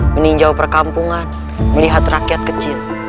meninjau perkampungan melihat rakyat kecil